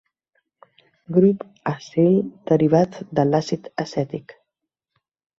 Grup acil derivat de l'àcid acètic.